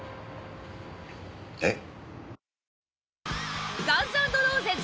えっ？